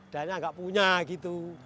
danya enggak punya gitu